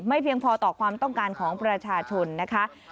เพียงพอต่อความต้องการของประชาชนนะคะ